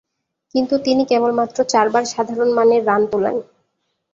কিন্তু তিনি কেবলমাত্র চারবার সাধারণমানের রান তুলেন।